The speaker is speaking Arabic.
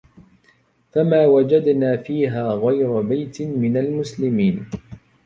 فما وجدنا فيها غير بيت من المسلمين